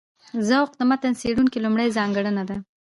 ذوق د متن څېړونکي لومړۍ ځانګړنه ده.